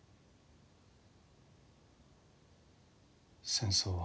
戦争は。